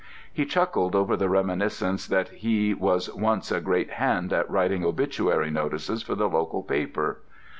"He chuckled over the reminiscence that he was once a great hand at writing obituary notices for the local paper.